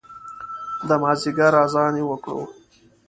د مازدیګر اذان یې وکړو